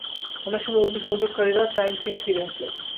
অনেক সময় অগ্নিসংযোগকারীরা ক্রাইম সিনে ফিরে আসে।